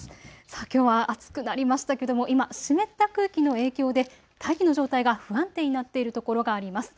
さあきょうは暑くなりましたけども今、湿った空気の影響で大気の状態が不安定になっている所があります。